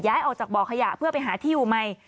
ย้ายออกจากบ่อขยะเพื่อไปหาที่อุไม